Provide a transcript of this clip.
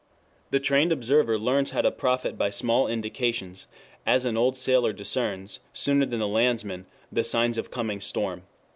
The trained observer learns how to profit by small indications, as an old seaman discerns, sooner than the landsman, the signs of coming storm."